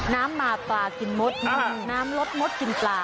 น้ำมาปลากินมดน้ำลดมดกินปลา